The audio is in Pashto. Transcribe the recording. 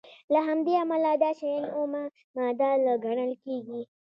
له همدې امله دا شیان اومه ماده نه ګڼل کیږي.